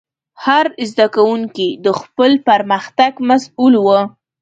هر زده کوونکی د خپل پرمختګ مسؤل و.